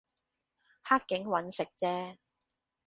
黑警搵食啫